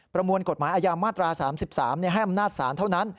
ประมวลกฎหมายอาญามาตรา๓๓ให้อำนาจศาลเท่านั้น